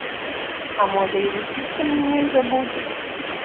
А можа і вучыцца мне нельга будзе.